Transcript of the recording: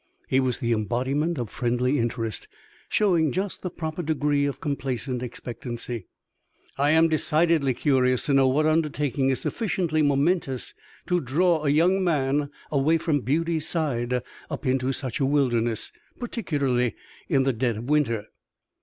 He was the embodiment of friendly interest, showing just the proper degree of complaisant expectancy. "I am decidedly curious to know what undertaking is sufficiently momentous to draw a young man away from beauty's side up into such a wilderness, particularly in the dead of winter."